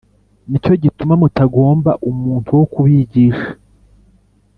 ni cyo gituma mutagomba umuntu wo kubigisha: